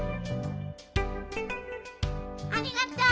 ありがとう。